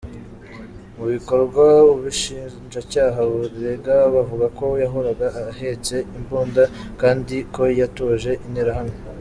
Mu bikorwa ubushinjacyaha bumurega buvuga ko yahoraga ahetse imbunda kandi ko yatoje interahamwe.